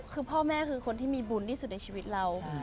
คือพ่อแม่คือคนที่มีบุญที่สุดในชีวิตเรา